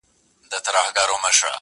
پر کنړ او کندهار یې پنجاب ګرځي٫